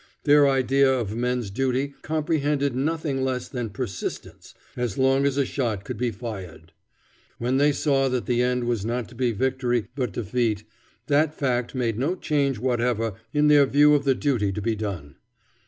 Their idea of men's duty comprehended nothing less than persistence as long as a shot could be fired. When they saw that the end was not to be victory, but defeat, that fact made no change whatever in their view of the duty to be done.